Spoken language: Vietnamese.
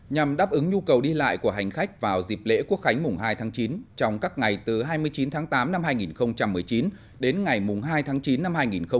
nhằm đáp ứng nhu cầu đi lại của hành khách vào dịp lễ quốc khánh mùng hai tháng chín trong các ngày từ hai mươi chín tháng tám năm hai nghìn một mươi chín đến ngày mùng hai tháng chín năm hai nghìn hai mươi